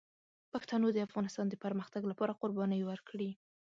پښتنو د افغانستان د پرمختګ لپاره قربانۍ ورکړي.